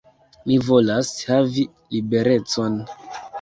Mi volas havi liberecon.